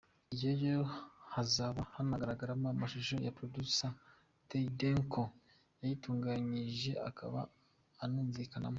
Iyo yo hazaba hanagaragaramo amashusho ya Producer Davydanco wayitunganyije, akaba anumvikanamo.